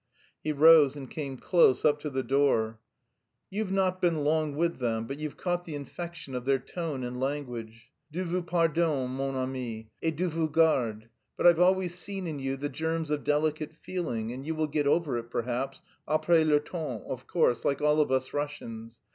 He rose and came close up to the door. "You've not been long with them, but you've caught the infection of their tone and language. Dieu vous pardonne, mon ami, et Dieu vous garde. But I've always seen in you the germs of delicate feeling, and you will get over it perhaps après le temps, of course, like all of us Russians.